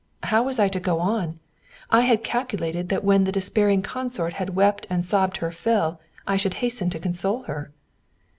How was I to go on? I had calculated that when the despairing consort had wept and sobbed her fill, I should hasten to console her.